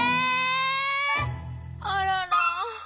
あらら。